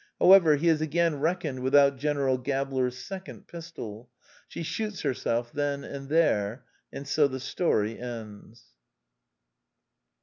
However, he has again reckoned without General Gabler*s sec ond pistol. She shoots herself then and there; and so the story ends.